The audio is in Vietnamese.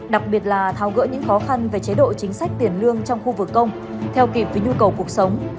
đặc biệt là tháo gỡ những khó khăn về chế độ chính sách tiền lương trong khu vực công theo kịp với nhu cầu cuộc sống